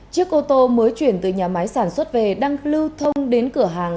chiếc ô tô mới chuyển từ nhà máy sản xuất về đang lưu thông đến cửa hàng